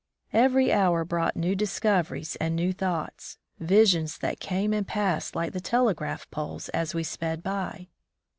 Every hour brought new discoveries and new t^^oughts — visions that came and passed like the tele graph poles as we sped [by.